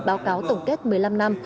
báo cáo tổng kết một mươi năm năm